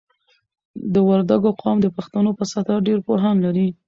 د وردګو قوم د پښتنو په سطحه ډېر پوهان لري.